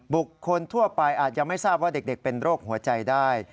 บุคคลทั่วไปอาจยังไม่ทราบว่าเด็กเป็นโรคหัวใจได้